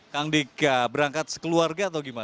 kang dika berangkat sekeluarga atau gimana